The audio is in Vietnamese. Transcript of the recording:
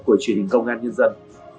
của truyền hình công an nhân dân